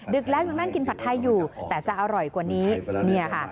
แล้วยังนั่งกินผัดไทยอยู่แต่จะอร่อยกว่านี้เนี่ยค่ะ